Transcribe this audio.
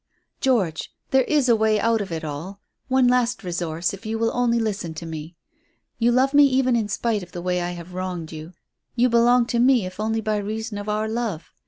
"George, there is a way out of it all; one last resource if you will only listen to me. You love me even in spite of the way I have wronged you. You belong to me if only by reason of our love.